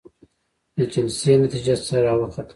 د جلسې نتيجه څه راوخته؟